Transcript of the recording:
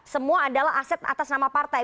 semua adalah aset atas nama partai